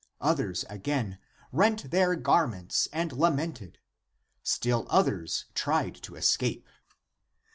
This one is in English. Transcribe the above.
Others, again, rent their garments and lamented; still others tried to escape.